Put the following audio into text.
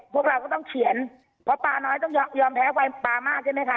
พวกเราก็ต้องเขียนเพราะปลาน้อยต้องยอมแพ้ปลามากใช่ไหมคะ